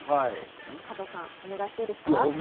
加藤さんお願いしていいですか？